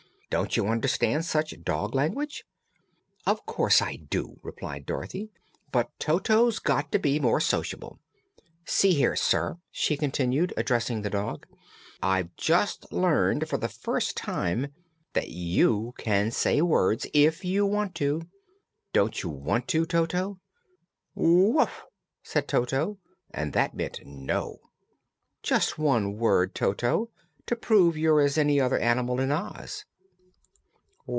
Don't you understand such dog language?" "Of course I do," replied Dorothy. "But Toto's got to be more sociable. See here, sir!" she continued, addressing the dog, "I've just learned, for the first time, that you can say words if you want to. Don't you want to, Toto?" "Woof!" said Toto, and that meant "no." "Not just one word, Toto, to prove you're as any other animal in Oz?"